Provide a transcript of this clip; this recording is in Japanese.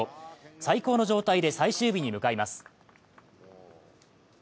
最高の状態で最終日に向かいます。